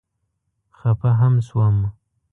خفه هم شوم.